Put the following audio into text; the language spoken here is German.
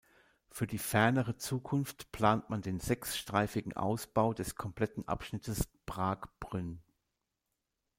Für die fernere Zukunft plant man den sechsstreifigen Ausbau des kompletten Abschnittes Prag–Brünn.